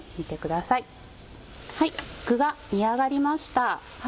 具が煮上がりました。